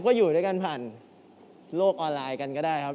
ก็อยู่ด้วยกันผ่านโลกออนไลน์กันก็ได้ครับ